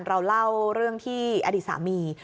เราเล่าเรื่องที่อดีตสามี